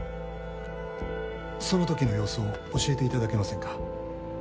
その時の様子を教えて頂けませんか？